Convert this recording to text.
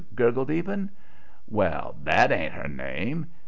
gurgled Eben. "Wall, that ain't her name.